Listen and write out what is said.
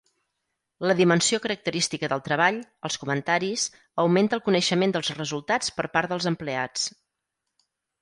La dimensió característica del treball, els comentaris, augmenta el coneixement dels resultats per part dels empleats.